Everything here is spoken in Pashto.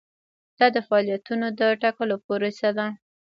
دا د فعالیتونو د ټاکلو پروسه ده.